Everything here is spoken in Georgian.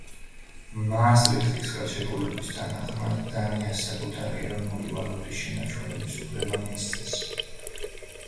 მაასტრიხტის ხელშეკრულების თანახმად, დანიას საკუთარი ეროვნული ვალუტის შენარჩუნების უფლება მისცეს.